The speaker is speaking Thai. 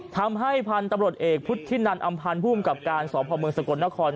พันธุ์ตำรวจเอกพุทธินันอำพันธ์ภูมิกับการสพเมืองสกลนคร